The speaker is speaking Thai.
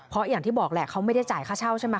เพราะอย่างที่บอกแหละเขาไม่ได้จ่ายค่าเช่าใช่ไหม